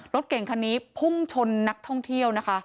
รถเก่งคันนี้พุ่งชนนักท่องเที่ยวนะคะ